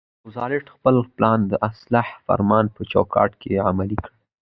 روزولټ خپل پلان د اصلاح فرمان په چوکاټ کې عملي کړ.